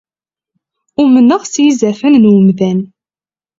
Umne? s yizerfan n umdan.